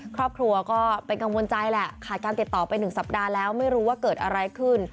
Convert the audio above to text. ครอบครัวก็เป็นกังวลใจแหละขาดการติดต่อไป๑สัปดาห์แล้วไม่รู้ว่าเกิดอะไรขึ้น